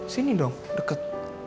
sini dong deket